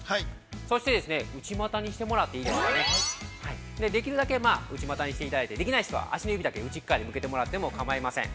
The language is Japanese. そして、内股にしてもらっていいですかね、できるだけ内股にしていただいてできない人は足の指だけ内っかわに向けてもらっても構いません。